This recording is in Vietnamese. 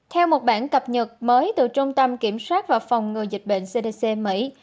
theo một bản cập nhật mới từ trung tâm kiểm soát và phòng ngừa dịch bệnh cdc mỹ